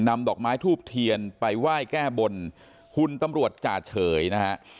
ดอกไม้ทูบเทียนไปไหว้แก้บนหุ่นตำรวจจ่าเฉยนะฮะ